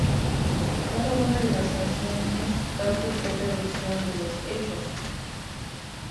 Cada una de las canciones da su propia versión de los hechos.